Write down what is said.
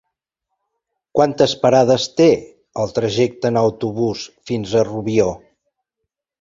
Quantes parades té el trajecte en autobús fins a Rubió?